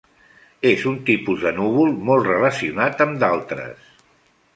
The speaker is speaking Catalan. És un tipus de núvol molt relacionat amb d’altres.